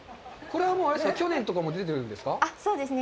これはあれですか、去年とかも出ているんですか。